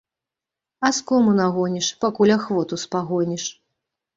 Аскому нагоніш, пакуль ахвоту спагоніш.